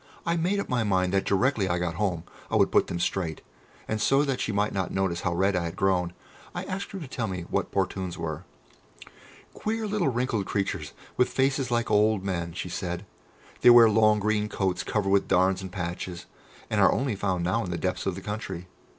I made up my mind that directly I got home I would put them straight, and so that she might not notice how red I had grown, I asked her to tell me what Portunes were. [Illustration: The "Portunes" were queer creatures.] "Queer little wrinkled creatures with faces like old men," she said. "They wear long green coats covered with darns and patches, and are only found now in the depths of the country.